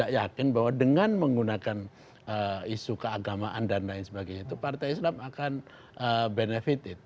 saya yakin bahwa dengan menggunakan isu keagamaan dan lain sebagainya itu partai islam akan benefited